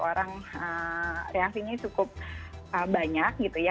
orang reaksinya cukup banyak gitu ya